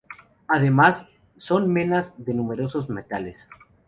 Además son menas de numerosos metales.